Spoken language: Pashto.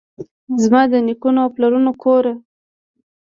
زما دنیکونو اوپلرونو کوره!